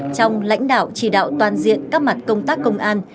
trong lãnh đạo chỉ đạo toàn diện các mặt công tác công an